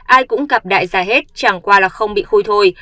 ai cũng cặp đại gia hết chẳng qua là không bị khui thôi